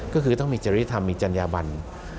ก็คือต้องมีจริงธรรมมีจรรยาบรรย์